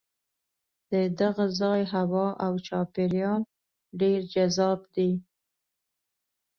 د دغه ځای هوا او چاپېریال ډېر جذاب دی.